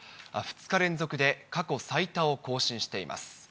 ２日連続で過去最多を更新しています。